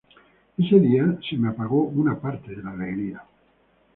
Ese día se me apagó una parte de la alegría.